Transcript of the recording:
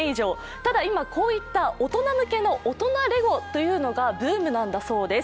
ただ、今、こういった大人向けの大人レゴというのがブームなんだそうです。